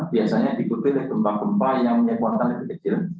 biasanya dikutip dengan gempa gempa yang punya kuatan lebih kecil